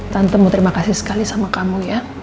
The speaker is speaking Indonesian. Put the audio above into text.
tante mau terima kasih sekali sama kamu ya